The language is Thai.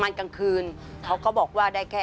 ทำไมเราต้องเป็นแบบเสียเงินอะไรขนาดนี้เวรกรรมอะไรนักหนา